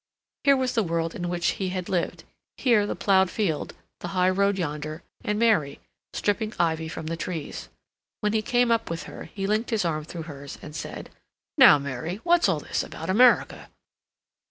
Here was the world in which he had lived; here the plowed field, the high road yonder, and Mary, stripping ivy from the trees. When he came up with her he linked his arm through hers and said: "Now, Mary, what's all this about America?"